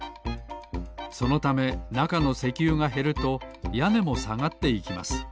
そのためなかの石油がへるとやねもさがっていきます